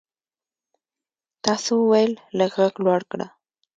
تا څه وویل ؟ لږ ږغ لوړ کړه !